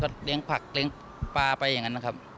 เลี้ยงผักเลี้ยงปลาไปอย่างนั้นนะครับ